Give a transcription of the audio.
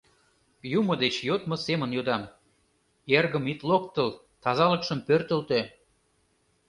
— Юмо деч йодмо семын йодам: эргым ит локтыл, тазалыкшым пӧртылтӧ.